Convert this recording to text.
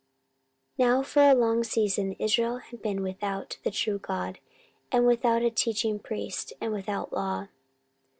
14:015:003 Now for a long season Israel hath been without the true God, and without a teaching priest, and without law.